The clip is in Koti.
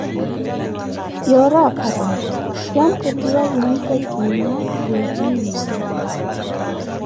yoori akattaza waaputwiwa yumpe kina wa ohiyi ye.